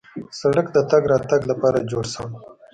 سړک د تګ راتګ لپاره جوړ شوی.